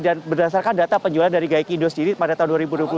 dan berdasarkan data penjualan dari gaiki indosidit pada tahun dua ribu dua puluh dua